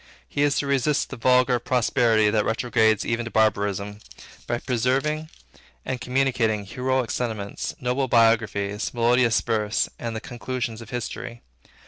He is to resist the vulgar prosperity that retrogrades ever to barbarism, by preserving and communicating heroic sentiments, noble biographies, melodious verse, and the conclusions of history.